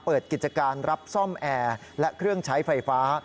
เปิดกิจการรับซ่อมแอร์และเครื่องใช้ไฟฟ้า